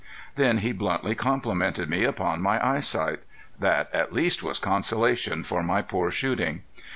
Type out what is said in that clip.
Then he bluntly complimented me upon my eyesight. That at least was consolation for my poor shooting.